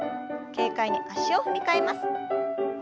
軽快に脚を踏み替えます。